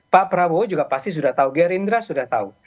pak prabowo juga pasti sudah tahu gerindra sudah tahu